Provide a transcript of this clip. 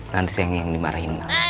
nanti saya yang dimarahin